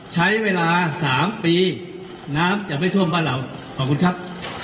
ใช้เวลา๓ปีน้ำจะไม่ท่วมบ้านเราขอบคุณครับ